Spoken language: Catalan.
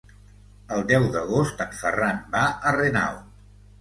El deu d'agost en Ferran va a Renau.